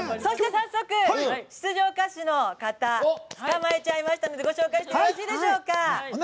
出場歌手の方つかまえちゃいましたのでご紹介してよろしいでしょうか。